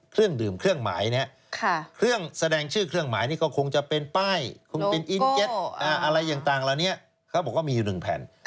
เครื่องดื่มเครื่องหมายนะครับเครื่องแสดงชื่อเครื่องหมายนี่ก็คงจะเป็นป้ายคงเป็นอินเก็ตอะไรต่างเหล่านี้เขาบอกว่ามีอยู่๑แผ่น